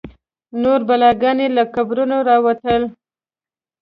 نور بلاګان له قبرونو راوتل.